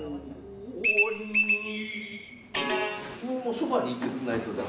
そばにいてくんないと駄目なんだ。